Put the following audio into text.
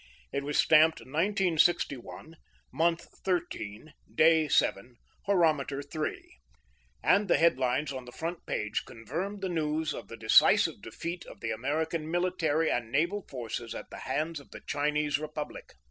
It was stamped 1961, Month 13, Day 7, Horometer 3, and the headlines on the front page confirmed the news of the decisive defeat of the American military and naval forces at the hands of the Chinese Republic.